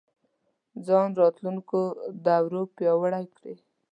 ځان راتلونکو دورو پیاوړی کړي